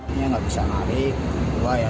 ini nggak bisa ngarik luar ya